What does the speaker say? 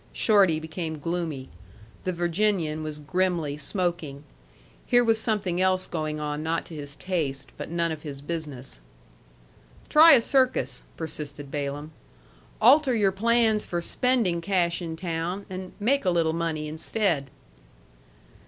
Shorty became gloomy. The Virginian was grimly smoking. Here was something else going on not to his taste, but none of his business. "Try a circus," persisted Balaam. "Alter your plans for spending cash in town, and make a little money instead."